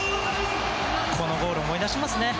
このゴールを思い出しますね。